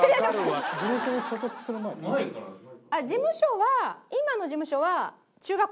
あっ事務所は今の事務所は。